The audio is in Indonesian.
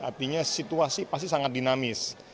artinya situasi pasti sangat dinamis